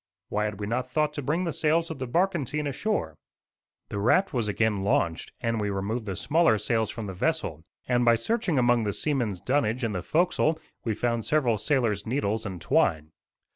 Why had we not thought to bring the sails of the barkentine ashore? The raft was again launched, and we removed the smaller sails from the vessel; and, by searching among the seamen's dunnage in the forecastle, we found several sailors' needles and twine.